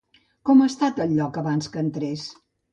Com ha estat el lloc abans que entrés?